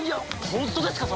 本当ですか？